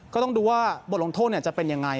ก็ต้องดูว่าบทลงโทษจะเป็นยังไง